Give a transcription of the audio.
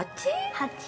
８